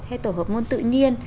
hay tổ hợp môn tự nhiên